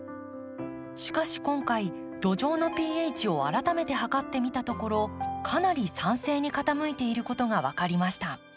しかし今回土壌のｐＨを改めて測ってみたところかなり酸性に傾いていることが分かりました。